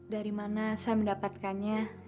dari mana saya mendapatkannya